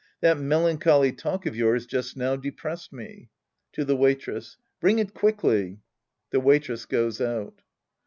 That melancholy talk of yours just now depressed me. (Tii the Waitress!) Bring it quickly. (^he Waitress goes out.)